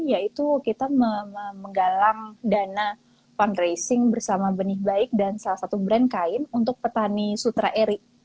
yaitu kita menggalang dana fundraising bersama benih baik dan salah satu brand kain untuk petani sutra erik